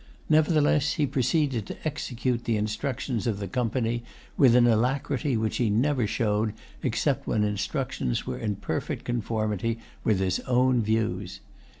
Nevertheless he proceeded to execute the instructions of the Company with an alacrity which he never showed except when instructions were in perfect conformity with his own views.